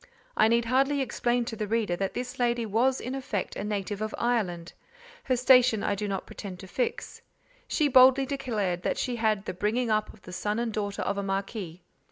I need hardly explain to the reader that this lady was in effect a native of Ireland; her station I do not pretend to fix: she boldly declared that she had "had the bringing up of the son and daughter of a marquis."